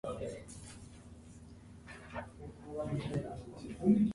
For the majority of Taylor's life, he has been involved in aviation.